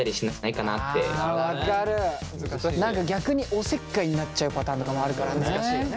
何か逆におせっかいになっちゃうパターンとかもあるから難しいよね。